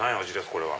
これは。